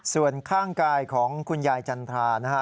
ส่วนข้างกายของคุณยายจันทรานะฮะ